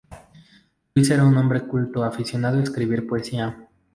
Luis era un hombre culto, aficionado a escribir poesía.